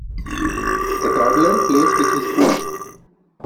A toddler plays with his food.